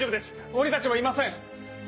鬼たちはいません。